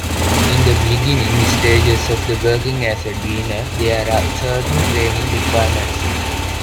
In the beginning stages of working as a diener, there are certain training requirements.